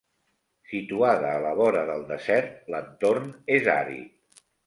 Situada a la vora del desert l'entorn és àrid.